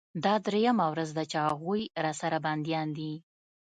دا درېيمه ورځ ده چې هغوى راسره بنديان دي.